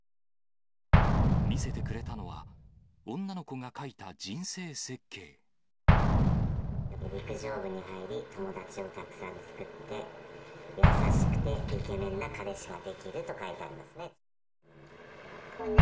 見せてくれたのは、陸上部に入り、友達をたくさん作って、優しくてイケメンな彼氏ができると書いてありますね。